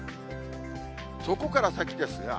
そこから先ですが。